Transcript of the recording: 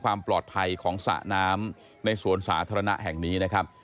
ความปลอดภัยของสระน้ำในสวนสาธารณะแห่งนี้นะครับ